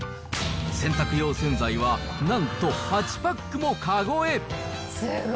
洗濯用洗剤はなんと８パックも籠へ。